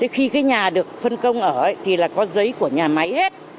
khi cái nhà được phân công ở thì là có giấy của nhà máy hết